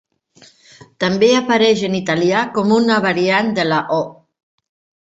També apareix en italià com una variant de la "o".